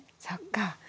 そっか。